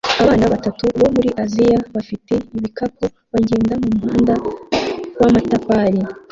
Abana batatu bo muri Aziya bafite ibikapu bagenda mumuhanda wamatafari